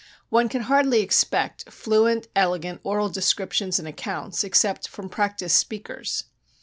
One can hardly expect fluent, elegant oral descriptions and accounts except from practiced speakers.